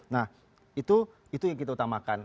nah itu yang kita utamakan